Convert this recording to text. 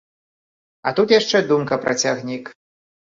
А тут яшчэ думка пра цягнік.